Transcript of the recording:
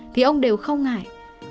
thì ông đều không ngại